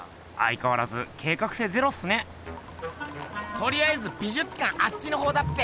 とりあえず美術館あっちのほうだっぺ。